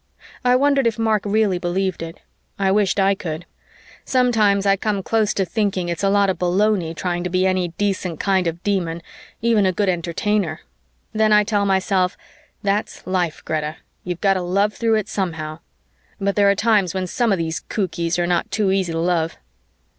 I wondered if Mark really believed it. I wished I could. Sometimes I come close to thinking it's a lot of baloney trying to be any decent kind of Demon, even a good Entertainer. Then I tell myself, "That's life, Greta. You've got to love through it somehow." But there are times when some of these cookies are not too easy to love.